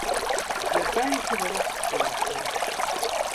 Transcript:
Звяртаемся да вас з просьбай.